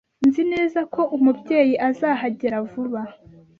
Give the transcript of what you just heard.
Nzi neza ko Umubyeyi azahagera vuba.